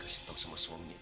kau kasih tau sama suaminya